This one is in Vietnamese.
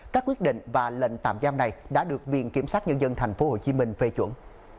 các quyết định và lệnh tạm giam này đã được viện kiểm sát nhân dân tp hcm phê chuẩn